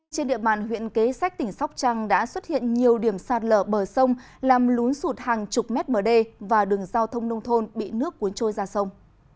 trên địa bàn huyện kế sách tỉnh sóc trăng đã xuất hiện nhiều điểm sạt lở bờ sông làm lún sụt hàng chục mét mở đê và đường giao thông nông thôn bị nước cuốn trôi ra sông